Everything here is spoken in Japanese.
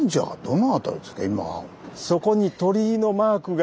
そこに鳥居のマークが。